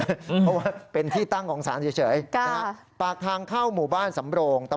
เพราะว่าเป็นที่ตั้งของศาลเฉยปากทางเข้าหมู่บ้านสำโรง